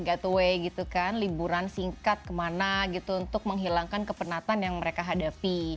gateway gitu kan liburan singkat kemana gitu untuk menghilangkan kepenatan yang mereka hadapi